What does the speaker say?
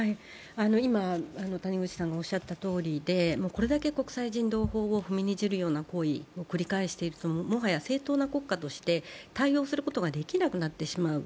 これだけ国際人道法を踏みにじるような行為を繰り返しているともはや正当な国家として対応することができなくなってしまう。